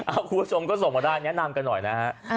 คุณผู้ชมก็ส่งมาได้แนะนำกันหน่อยนะฮะ